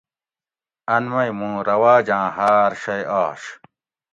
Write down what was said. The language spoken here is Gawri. ان مئ مُوں رواجاۤں ہاۤر شئ آش